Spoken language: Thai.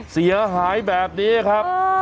เสียหายแบบนี้ครับ